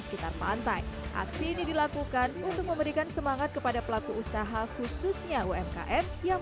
sekitar pantai aksi ini dilakukan untuk memberikan semangat kepada pelaku usaha khususnya umkm yang